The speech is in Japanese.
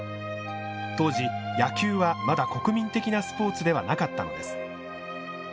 当時、野球は、まだ国民的なスポーツではなかったのです。